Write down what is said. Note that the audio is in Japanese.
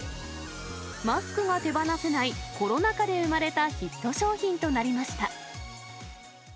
マスクが手放せない、コロナ禍で生まれたヒット商品となりました。